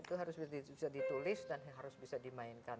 itu harus bisa ditulis dan harus bisa dimainkan